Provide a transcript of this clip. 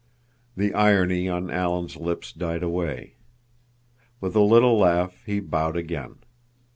The irony on Alan's lips died away. With a little laugh he bowed again.